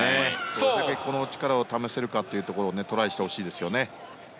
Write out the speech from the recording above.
どれだけ力を試せるかトライしてほしいですよね。